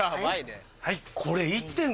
はい。